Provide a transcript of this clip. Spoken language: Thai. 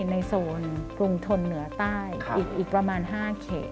โซนกรุงทนเหนือใต้อีกประมาณ๕เขต